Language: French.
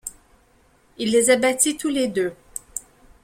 Il les abattit tous les deux.